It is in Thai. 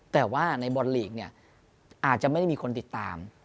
แต่ว่าในบอลลีกเนี่ยอาจจะไม่ได้มีคนติดตาม